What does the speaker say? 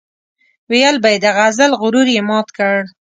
ويل به يې د غزل غرور یې مات کړ.